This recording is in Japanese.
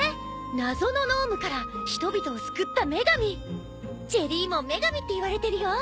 「謎の濃霧から人々を救った女神」ジェリーモン女神っていわれてるよ！